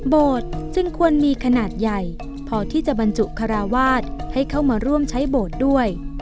จึงควรมีขนาดใหญ่พอที่จะบรรจุคาราวาสให้เข้ามาร่วมใช้โบสถ์ด้วย